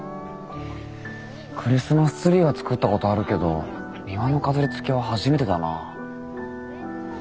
クリスマスツリーは作ったことあるけど庭の飾りつけは初めてだな。